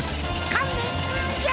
かんねんするんじゃ。